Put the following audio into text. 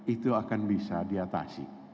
itu akan bisa diatasi